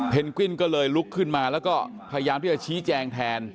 กวินก็เลยลุกขึ้นมาแล้วก็พยายามที่จะชี้แจงแทน